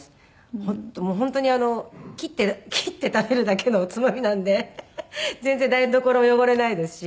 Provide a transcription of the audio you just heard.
本当に切って食べるだけのおつまみなんで全然台所汚れないですし。